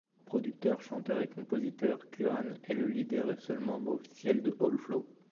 Producteur, chanteur et compositeur, Curran est le leader et seul membre officiel de Allflaws.